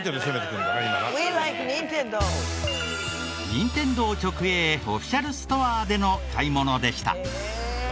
任天堂直営オフィシャルストアでの買い物でした。